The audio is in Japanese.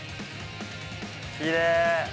きれい。